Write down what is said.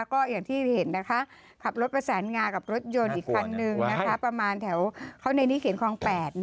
ก็อย่างที่เห็นนะคะขับรถกระแสงากับรถยนต์อีกคันนึงนะคะข้างบนเข้าในนี้เขียนคลอง๘